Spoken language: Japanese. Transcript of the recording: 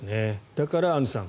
だから、アンジュさん